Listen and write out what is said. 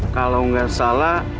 kalau nggak salah